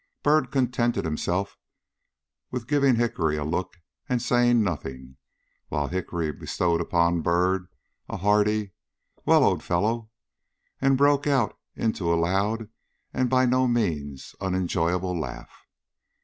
Byrd contented himself with giving Hickory a look and saying nothing, while Hickory bestowed upon Byrd a hearty "Well, old fellow!" and broke out into a loud and by no means unenjoyable laugh.